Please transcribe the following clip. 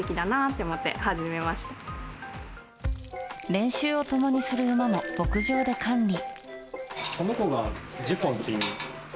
練習を共にする馬も牧場で管理。